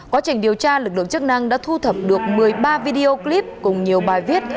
quá trình điều tra lực lượng chức năng đã thu thập được một mươi ba video clip cùng nhiều bài viết